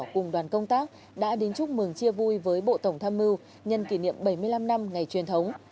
cùng đoàn công tác đã đến chúc mừng chia vui với bộ tổng tham mưu nhân kỷ niệm bảy mươi năm năm ngày truyền thống